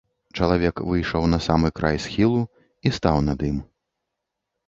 Чалавек выйшаў на самы край схілу і стаў над ім.